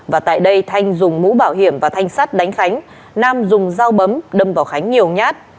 và tại đây thanh dùng mũ bảo hiểm và thanh sắt đánh khánh nam dùng dao bấm đâm vào khánh nhiều nhát